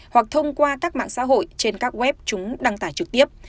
hoặc thông qua các mạng xã hội trên các web chúng đăng tải trực tiếp